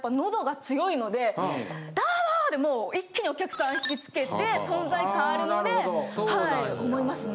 「どうも！」でもう一気にお客さん引きつけて存在感あるのではい思いますね。